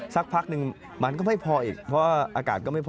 สักพักนึงมันก็ไม่พออีกเพราะว่าอากาศก็ไม่พอ